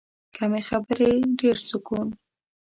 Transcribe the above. کمې خبرې، ډېر سکون.